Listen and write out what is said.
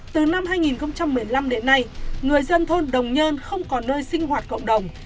từ năm hai nghìn một mươi năm đến nay người dân thôn đồng nhơn không còn nơi sinh hoạt cộng đồng